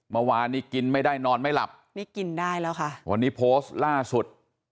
เมื่อวานนี้กินไม่ได้นอนไม่หลับนี่กินได้แล้วค่ะวันนี้โพสต์ล่าสุด